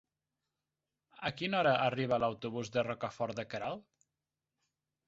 A quina hora arriba l'autobús de Rocafort de Queralt?